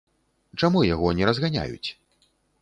Чаму яго не разганяюць?